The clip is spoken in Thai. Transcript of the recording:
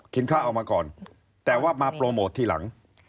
ข้าวเอามาก่อนแต่ว่ามาโปรโมททีหลัง